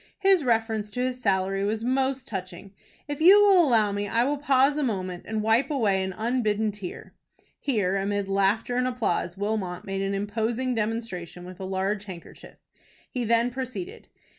His reference to his salary was most touching. If you will allow me, I will pause a moment and wipe away an unbidden tear." (Here amid laughter and applause, Wilmot made an imposing demonstration with a large handkerchief. He then proceeded.)